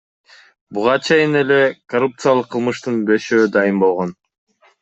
Буга чейин эле коррупциялык кылмыштын бешөө дайын болгон.